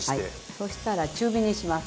そしたら中火にします。